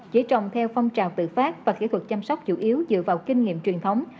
chỉ trồng theo phong trào tự phát và kỹ thuật chăm sóc chủ yếu dựa vào kinh nghiệm truyền thống